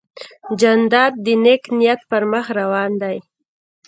جانداد د نیک نیت پر مخ روان دی.